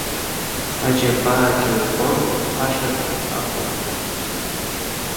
Аџьабаагьы рбон ҳәашьак ақәымкәан.